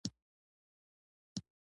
هسې پاتې شوم مردود او ناقابل.